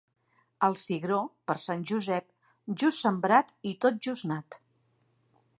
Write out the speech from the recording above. El cigró, per Sant Josep, just sembrat i tot just nat.